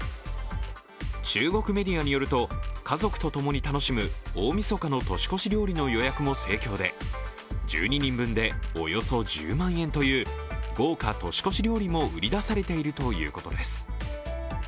中国メディアによると、家族と共に楽しむ大みそかの年越し料理の予約も盛況で１２人分でおよそ１０万円という豪華年越し料理も売り出されているということです。